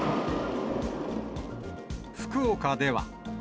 福岡では。